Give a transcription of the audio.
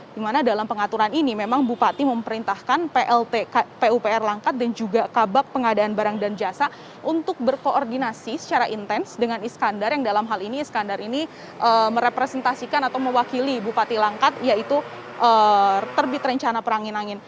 di mana dalam pengaturan ini memang bupati memerintahkan pupr langkat dan juga kabak pengadaan barang dan jasa untuk berkoordinasi secara intens dengan iskandar yang dalam hal ini iskandar ini merepresentasikan atau mewakili bupati langkat yaitu terbit rencana perangin angin